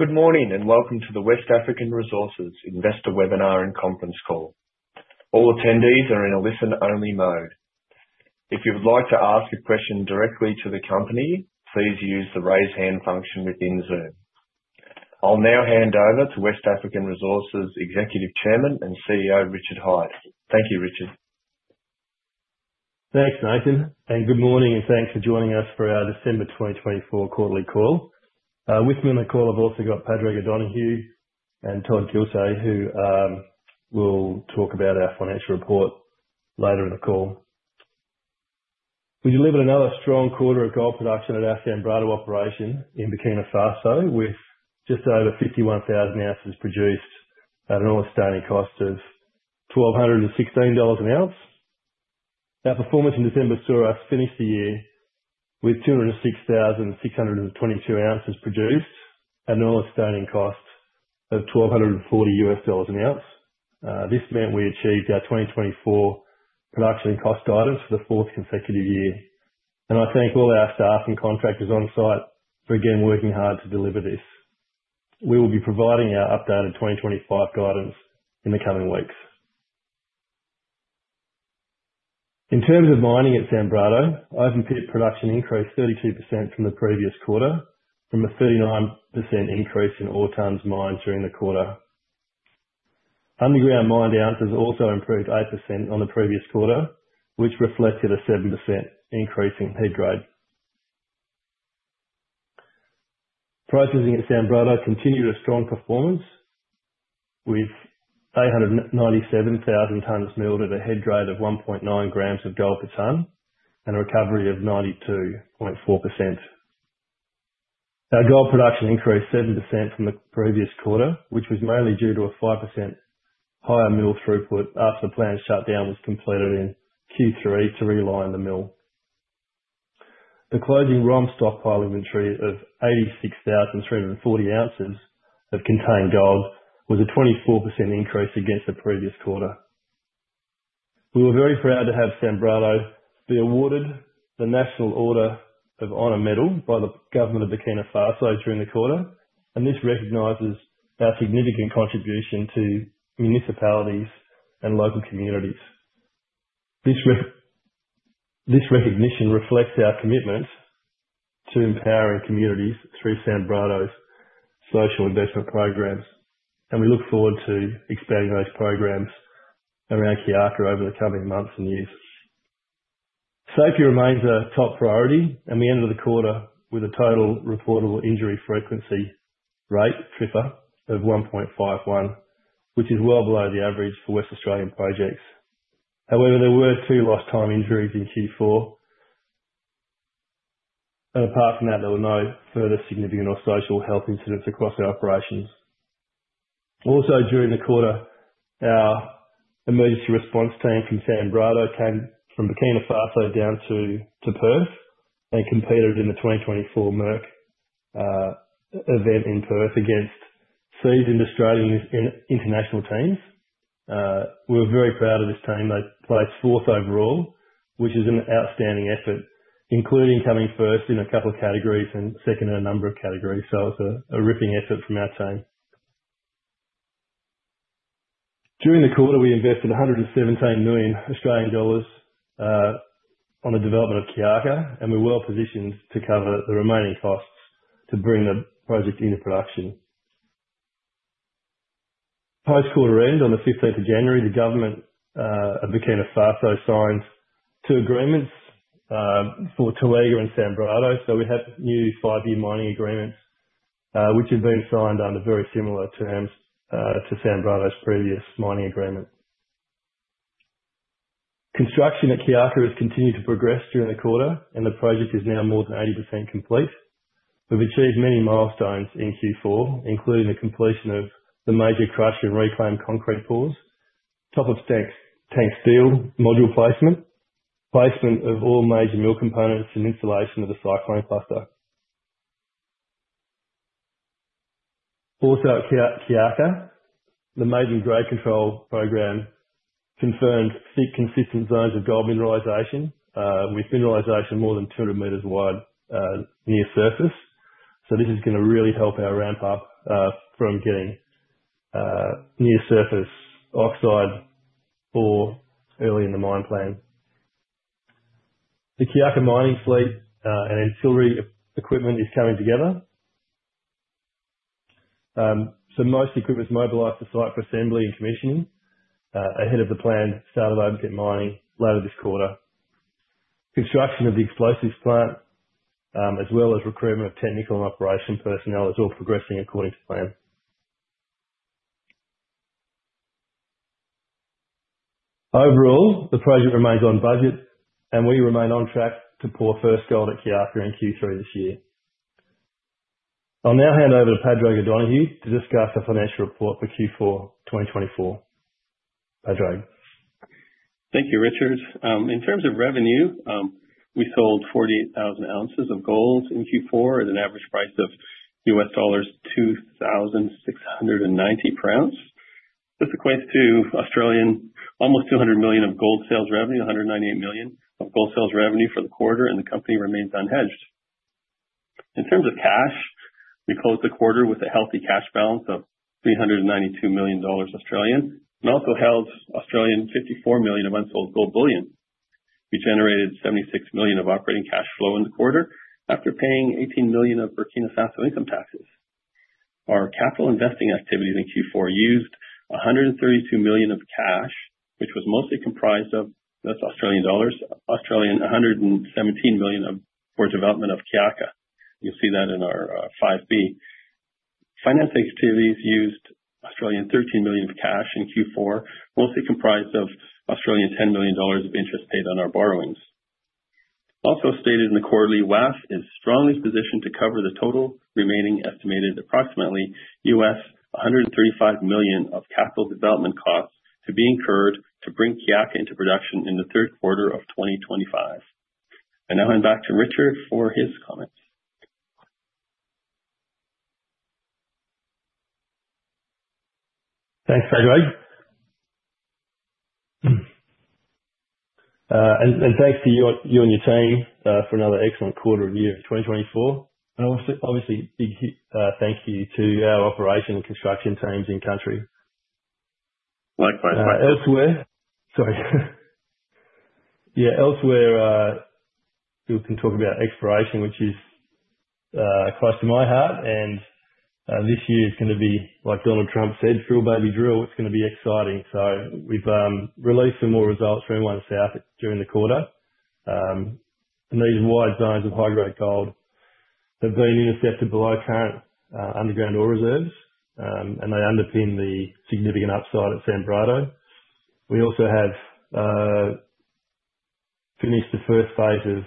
Good morning and welcome to the West African Resources Investor Webinar and Conference Call. All attendees are in a listen-only mode. If you would like to ask a question directly to the company, please use the raise hand function within Zoom. I'll now hand over to West African Resources Executive Chairman and CEO Richard Hyde. Thank you, Richard. Thanks, Nathan, and good morning, and thanks for joining us for our December 2024 quarterly call. With me on the call, I've also got Padraig O'Donoghue and Todd Giltay, who will talk about our financial report later in the call. We delivered another strong quarter of gold production at our Sanbrado Operation in Burkina Faso, with just over 51,000 ounces produced at an all-in sustaining cost of $1,216 an ounce. Our performance in December saw us finish the year with 206,622 ounces produced at an all-in sustaining cost of $1,240 an ounce. This meant we achieved our 2024 production and cost guidance for the fourth consecutive year, and I thank all our staff and contractors on site for again working hard to deliver this. We will be providing our updated 2025 guidance in the coming weeks. In terms of mining at Sanbrado, open pit production increased 32% from the previous quarter, from a 39% increase in all tons mined during the quarter. Underground mined ounces also improved 8% on the previous quarter, which reflected a 7% increase in pit grade. Processing at Sanbrado continued a strong performance, with 897,000 tons milled at a head grade of 1.9 grams of gold per ton and a recovery of 92.4%. Our gold production increased 7% from the previous quarter, which was mainly due to a 5% higher mill throughput after the planned shutdown was completed in Q3 to realign the mill. The closing ROM stockpile inventory of 86,340 ounces of contained gold was a 24% increase against the previous quarter. We were very proud to have Sanbrado be awarded the National Order of Honor Medal by the Government of Burkina Faso during the quarter, and this recognizes our significant contribution to municipalities and local communities. This recognition reflects our commitment to empowering communities through Sanbrado's social investment programs, and we look forward to expanding those programs around Kiaka over the coming months and years. Safety remains a top priority, and we ended the quarter with a total recordable injury frequency rate, TRIFR, of 1.51, which is well below the average for Western Australian projects. However, there were two lost time injuries in Q4, and apart from that, there were no further significant or serious health incidents across our operations. Also, during the quarter, our emergency response team from Sanbrado came from Burkina Faso down to Perth and competed in the 2024 MERC event in Perth against seasoned Australian international teams. We're very proud of this team. They placed fourth overall, which is an outstanding effort, including coming first in a couple of categories and second in a number of categories. So it's a ripping effort from our team. During the quarter, we invested $ 117 million on the development of Kiaka, and we're well positioned to cover the remaining costs to bring the project into production. Post-quarter end, on the 15th of January, the Government of Burkina Faso signed two agreements for Toega and Sanbrado, so we have new five-year mining agreements, which have been signed under very similar terms to Sanbrado's previous mining agreement. Construction at Kiaka has continued to progress during the quarter, and the project is now more than 80% complete. We've achieved many milestones in Q4, including the completion of the major crusher and reclaim concrete pours, top-of-tank steel module placement, placement of all major mill components, and installation of the cyclone cluster. Also at Kiaka, the major grade control program confirmed consistent zones of gold mineralization, with mineralization more than 200 meters wide near surface. So this is going to really help our ramp up from getting near surface oxide or early in the mine plan. The Kiaka mining fleet and ancillary equipment is coming together. So most equipment is mobilized to site for assembly and commissioning ahead of the planned start of open-pit mining later this quarter. Construction of the explosives plant, as well as recruitment of technical and operation personnel, is all progressing according to plan. Overall, the project remains on budget, and we remain on track to pour first gold at Kiaka in Q3 this year. I'll now hand over to Padraig O'Donoghue to discuss the financial report for Q4 2024. Padraig. Thank you, Richard. In terms of revenue, we sold 48,000 ounces of gold in Q4 at an average price of $2,690 per ounce. This equates to almost $200 million of gold sales revenue, $198 million of gold sales revenue for the quarter, and the company remains unhedged. In terms of cash, we closed the quarter with a healthy cash balance of $392 million and also held $54 million of unsold gold bullion. We generated $76 million of operating cash flow in the quarter after paying $18 million of Burkina Faso income taxes. Our capital investing activities in Q4 used $132 million of cash, which was mostly comprised of $117 million for development of Kiaka. You'll see that in our 5B. Finance activities used $13 million of cash in Q4, mostly comprised of $10 million of interest paid on our borrowings. Also stated in the quarterly, WAF is strongly positioned to cover the total remaining estimated approximately $135 million of capital development costs to be incurred to bring Kiaka into production in the third quarter of 2025. And now hand back to Richard for his comments. Thanks, Padraig. And thanks to you and your team for another excellent quarter of year 2024. And obviously, big thank you to our operation and construction teams in country. Likewise. Sorry. Yeah, elsewhere, we can talk about exploration, which is close to my heart, and this year is going to be, like Donald Trump said, "Drill baby drill." It's going to be exciting. So we've released some more results for M1 South during the quarter, and these wide zones of high-grade gold have been intercepted below current underground ore reserves, and they underpin the significant upside at Sanbrado. We also have finished the first phase of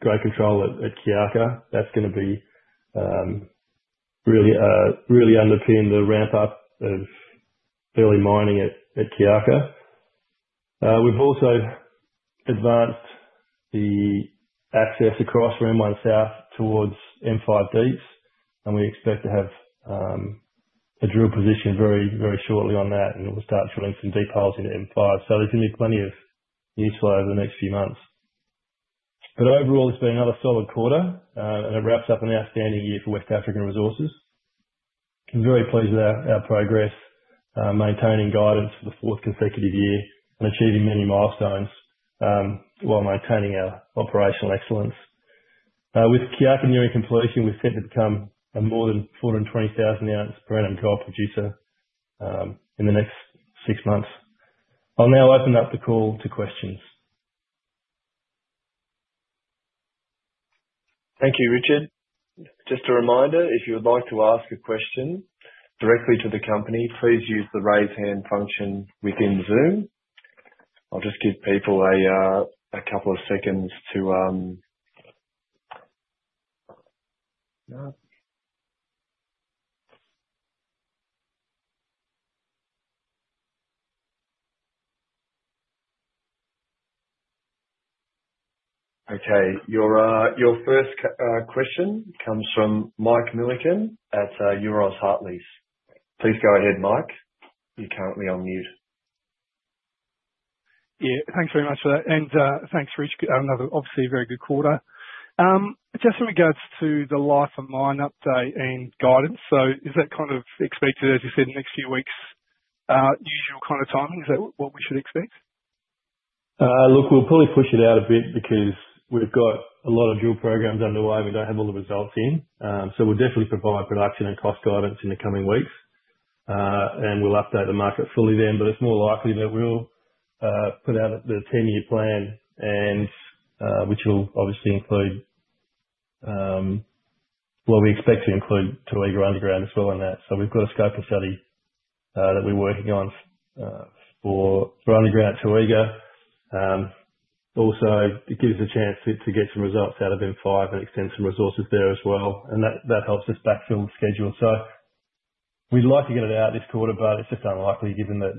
grade control at Kiaka. That's going to really underpin the ramp up of early mining at Kiaka. We've also advanced the access across from M1 South towards M5 Deeps, and we expect to have a drill position very, very shortly on that, and we'll start drilling some deep holes in M5. So there's going to be plenty of news flow over the next few months. But overall, it's been another solid quarter, and it wraps up an outstanding year for West African Resources. I'm very pleased with our progress, maintaining guidance for the fourth consecutive year and achieving many milestones while maintaining our operational excellence. With Kiaka nearing completion, we're set to become a more than 420,000 ounce per annum gold producer in the next six months. I'll now open up the call to questions. Thank you, Richard. Just a reminder, if you would like to ask a question directly to the company, please use the raise hand function within Zoom. I'll just give people a couple of seconds to... Okay, your first question comes from Mike Millikan at Euroz Hartleys. Please go ahead, Mike. You're currently on mute. Yeah, thanks very much for that and thanks, Richard. Another, obviously, very good quarter. Just in regards to the life of mine update and guidance, so is that kind of expected, as you said, in the next few weeks? Usual kind of timing, is that what we should expect? Look, we'll probably push it out a bit because we've got a lot of drill programs underway we don't have all the results in. So we'll definitely provide production and cost guidance in the coming weeks, and we'll update the market fully then. But it's more likely that we'll put out the 10-year plan, which will obviously include what we expect to include Toega underground as well in that. So we've got a scope of study that we're working on for underground Toega. Also, it gives us a chance to get some results out of M5 and extend some resources there as well. And that helps us backfill the schedule. So we'd like to get it out this quarter, but it's just unlikely given that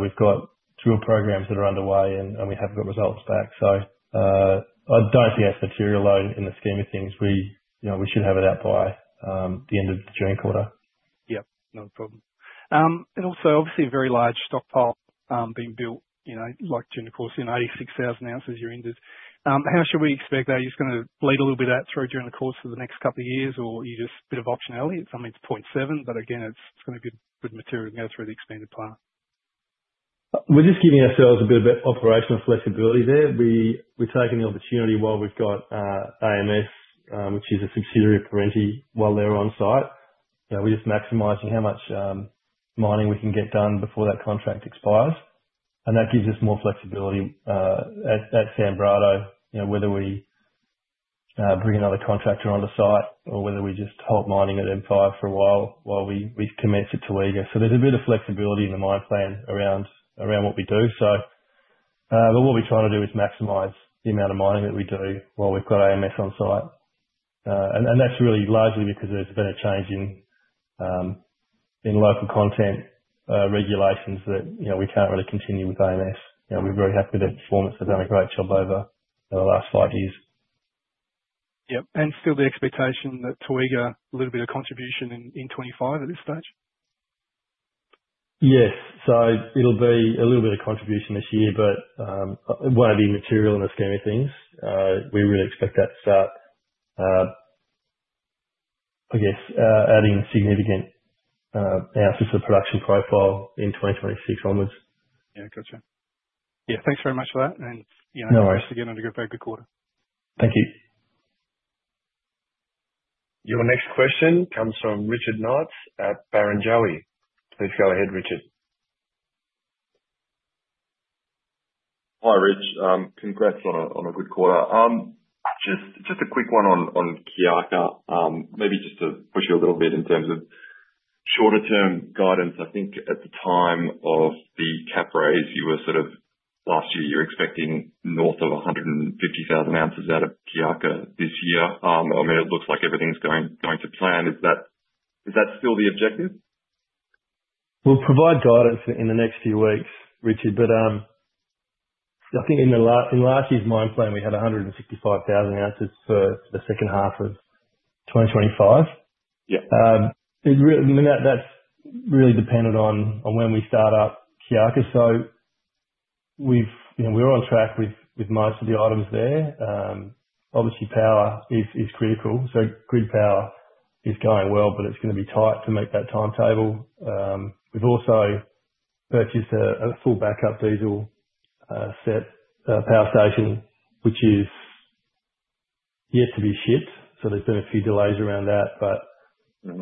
we've got drill programs that are underway and we haven't got results back. So I don't see that as material in the scheme of things. We should have it out by the end of the June quarter. Yeah, no problem. And also, obviously, a very large stockpile being built, like June, of course, in 86,000 ounces you're into. How should we expect that? Are you just going to bleed a little bit out through during the course of the next couple of years, or are you just a bit of optionality? It's something that's 0.7, but again, it's going to be good material to go through the expanded plan. We're just giving ourselves a bit of operational flexibility there. We're taking the opportunity while we've got AMS, which is a subsidiary of Perenti, while they're on site. We're just maximizing how much mining we can get done before that contract expires. And that gives us more flexibility at Sanbrado, whether we bring another contractor on the site or whether we just hold mining at M5 for a while while we commence at Toega. So there's a bit of flexibility in the mine plan around what we do. But what we're trying to do is maximize the amount of mining that we do while we've got AMS on site. And that's really largely because there's been a change in local content regulations that we can't really continue with AMS. We're very happy with their performance. They've done a great job over the last five years. Yeah. And still the expectation that Toega, a little bit of contribution in 2025 at this stage? Yes. So it'll be a little bit of contribution this year, but it won't be material in the scheme of things. We really expect that to start, I guess, adding significant ounces of production profile in 2026 onwards. Yeah, gotcha. Yeah, thanks very much for that, and thanks again for a very good quarter. Thank you. Your next question comes from Richard Knights at Barrenjoey. Please go ahead, Richard. Hi, Rich. Congrats on a good quarter. Just a quick one on Kiaka, maybe just to push you a little bit in terms of shorter-term guidance. I think at the time of the cap raise, you were sort of last year, you were expecting north of 150,000 ounces out of Kiaka this year. I mean, it looks like everything's going to plan. Is that still the objective? We'll provide guidance in the next few weeks, Richard, but I think in last year's mine plan, we had 165,000 ounces for the second half of 2025. That's really dependent on when we start up Kiaka, so we're on track with most of the items there. Obviously, power is critical, so grid power is going well, but it's going to be tight to make that timetable. We've also purchased a full backup diesel set power station, which is yet to be shipped, so there's been a few delays around that. But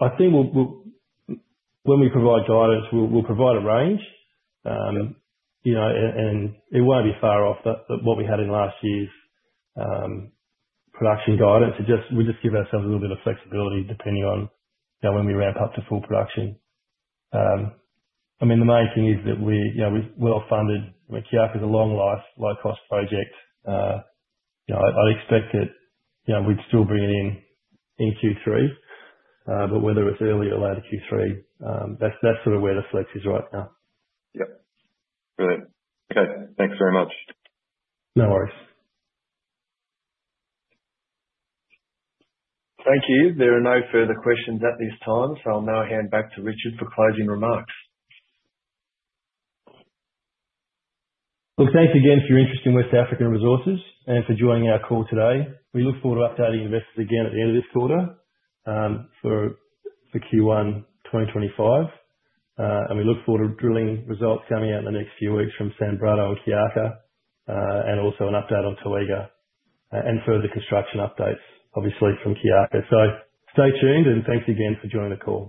I think when we provide guidance, we'll provide a range, and it won't be far off what we had in last year's production guidance. We just give ourselves a little bit of flexibility depending on when we ramp up to full production. I mean, the main thing is that we're well funded. Kiaka is a long-life, low-cost project. I'd expect that we'd still bring it in Q3, but whether it's early or late Q3, that's sort of where the flex is right now. Yep. Brilliant. Okay. Thanks very much. No worries. Thank you. There are no further questions at this time, so I'll now hand back to Richard for closing remarks. Thanks again for your interest in West African Resources and for joining our call today. We look forward to updating investors again at the end of this quarter for Q1 2025. We look forward to drilling results coming out in the next few weeks from Sanbrado and Kiaka, and also an update on Toega and further construction updates, obviously, from Kiaka. Stay tuned and thanks again for joining the call.